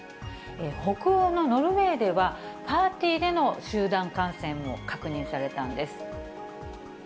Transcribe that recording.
北欧のノルウェーでは、パーティーでの集団感染も確認されたんです。